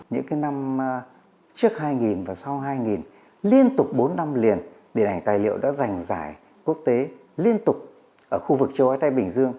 những cái năm trước hai nghìn và sau hai nghìn liên tục bốn năm liền điện ảnh tài liệu đã dành giải quốc tế liên tục ở khu vực châu ái tây bình dương